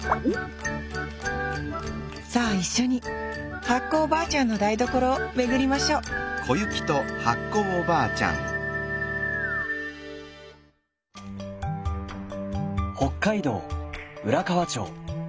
さあ一緒に発酵おばあちゃんの台所を巡りましょう北海道浦河町。